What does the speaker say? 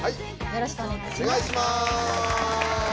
よろしくお願いします。